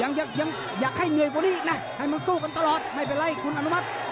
ยังยังอยากให้เหนื่อยกว่านี้อีกนะให้มันสู้กันตลอดไม่เป็นไรคุณอนุมัติ